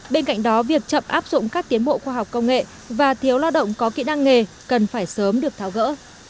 bên cạnh đó việc chậm áp dụng các tiến bộ khoa học công nghệ và thiếu lao động có kỹ năng nghề cần phải sớm được tháo gỡ